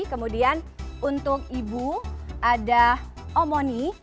kemudian untuk ibu ada omoni